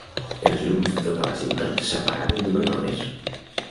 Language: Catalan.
Els llums de tota la ciutat s'apagaven durant hores